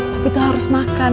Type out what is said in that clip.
tapi tuh harus makan